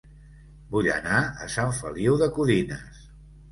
Vull anar a Sant Feliu de Codines